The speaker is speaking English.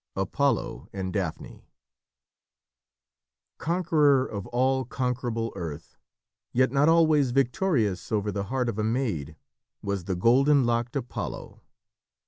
APOLLO AND DAPHNE Conqueror of all conquerable earth, yet not always victorious over the heart of a maid was the golden locked Apollo.